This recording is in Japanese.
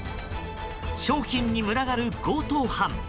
商品に群がる強盗犯。